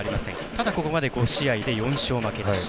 ただ、ここまで５試合で４勝負けなし。